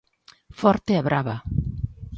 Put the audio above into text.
Forte e brava.